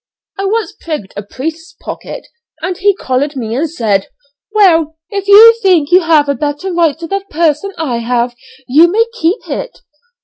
I once prigged a priest's pocket, and he collared me and said, 'Well, if you think you have a better right to that purse than I have, you may keep it.'